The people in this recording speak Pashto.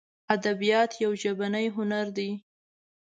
ادبیات یو ژبنی هنر دی.